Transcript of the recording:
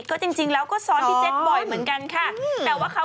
ก็จริงแล้วก็ซ้อนพี่เจ็ดบ่อยเหมือนกันค่ะ